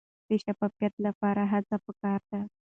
د شفافیت لپاره هڅې پکار دي.